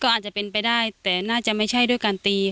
อาจจะเป็นไปได้แต่น่าจะไม่ใช่ด้วยการตี